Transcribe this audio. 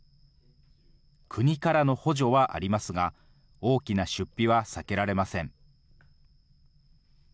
国からの補助はありますが、大きな出費は避けられません。